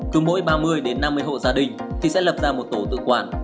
cứ mỗi ba mươi đến năm mươi hộ gia đình thì sẽ lập ra một tổ tự quản